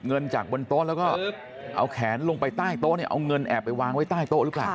เงินจากบนโต๊ะแล้วก็เอาแขนลงไปใต้โต๊ะเนี่ยเอาเงินแอบไปวางไว้ใต้โต๊ะหรือเปล่า